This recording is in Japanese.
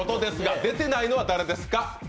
出てないのは誰ですか？